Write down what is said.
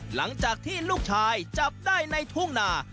หลังจากที่ลูกชายจับได้ในทุ่งนา